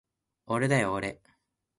おれだよおれ